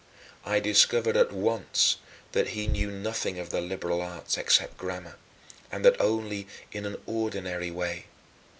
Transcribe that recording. I discovered at once that he knew nothing of the liberal arts except grammar, and that only in an ordinary way.